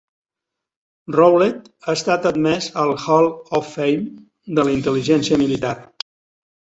Rowlett ha estat admès al Hall of Fame de la intel·ligència militar.